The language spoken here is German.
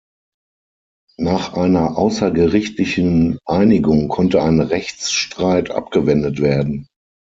Nach einer außergerichtlichen Einigung konnte ein Rechtsstreit abgewendet werden.